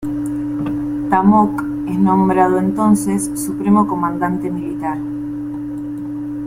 Ta Mok es nombrado entonces Supremo Comandante Militar.